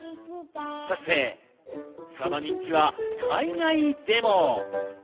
そして、その人気は海外でも。